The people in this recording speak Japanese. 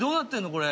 これ。